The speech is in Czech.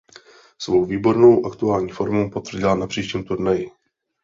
Svou výbornou aktuální formu potvrdila na příštím turnaji.